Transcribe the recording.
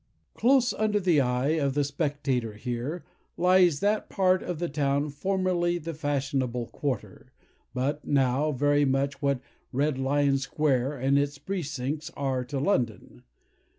Close under the eye of the spectator here, lies that part of the town formerly the fashionable quarter, but now very much what Red Lion Square, and its precincts, are to London.